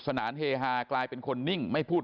นานเฮฮากลายเป็นคนนิ่งไม่พูด